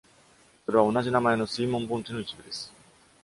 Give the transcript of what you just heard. それは同じ名前の水文盆地の一部です。